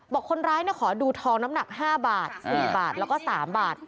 บอกคนร้ายขอดูทองน้ำหนัก๕บาท๔บาทแล้วก็๓บาท